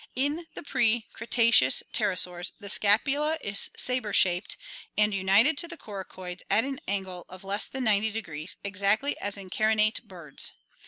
In the pre Cretaceous pterosaurs the scapula is saber shaped and united to the coracoids at an angle of less than 900, exactly as in carinate birds.